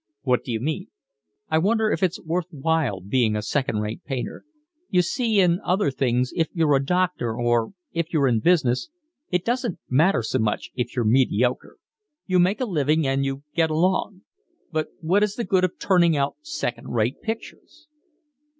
"What do you mean?" "I wonder if it's worth while being a second rate painter. You see, in other things, if you're a doctor or if you're in business, it doesn't matter so much if you're mediocre. You make a living and you get along. But what is the good of turning out second rate pictures?"